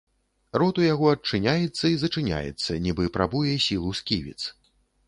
Рот у яго адчыняецца і зачыняецца, нібы прабуе сілу сківіц.